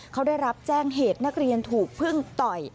เขาได้รับแจ้งเหตุนักเรียนถูกพึ่งต่อย